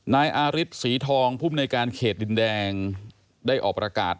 นายอาริสสีทองภูมิในการเขตดินแดงได้ออกประกาศ